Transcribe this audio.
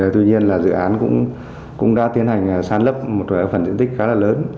tuy nhiên là dự án cũng đã tiến hành san lấp một phần diện tích khá là lớn